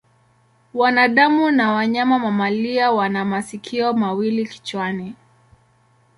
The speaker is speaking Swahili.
Wanadamu na wanyama mamalia wana masikio mawili kichwani.